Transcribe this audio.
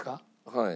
はい。